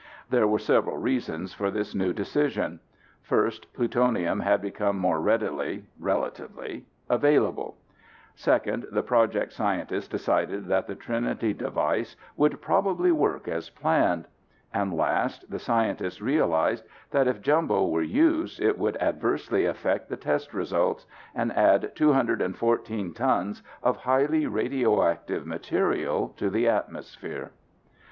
There were several reasons for this new decision: first, plutonium had become more readily (relatively) available; second, the Project scientists decided that the Trinity device would probably work as planned; and last, the scientists realized that if Jumbo were used it would adversely affect the test results, and add 214 tons of highly radioactive material to the atmosphere.